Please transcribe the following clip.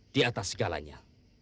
di atas segalanya